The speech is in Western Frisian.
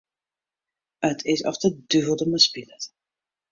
It is oft de duvel dermei spilet.